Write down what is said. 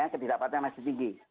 ketidakpatuan yang masih tinggi